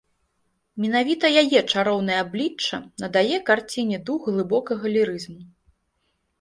Менавіта яе чароўнае аблічча надае карціне дух глыбокага лірызму.